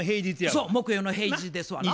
そう木曜の平日ですわな。